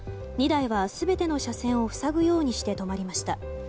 ２台は全ての車線を塞ぐようにして止まりました。